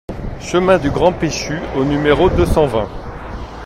Chemin du Grand Péchu au numéro deux cent vingt